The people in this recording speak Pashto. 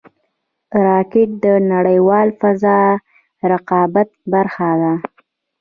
راکټ د نړیوال فضا رقابت برخه ده